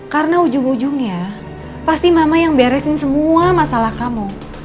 karena ujung ujungnya pasti mama yang beresin semua masalah kamu